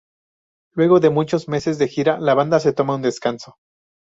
Luego de muchos meses de gira, la banda se toma un descanso.